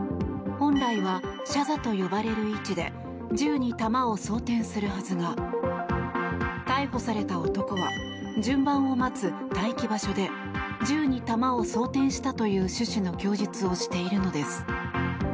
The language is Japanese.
本来は、射座と呼ばれる位置で銃に弾を装填するはずが逮捕された男は順番を待つ待機場所で銃に弾を装填したという趣旨の供述をしているのです。